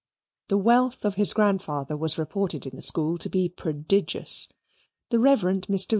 The wealth of his grandfather was reported in the school to be prodigious. The Rev. Mr.